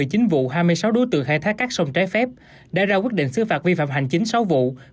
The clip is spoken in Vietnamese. chính vụ hai mươi sáu đối tượng khai thác cát sông trái phép đã ra quyết định xứ phạt vi phạm hành chính sáu vụ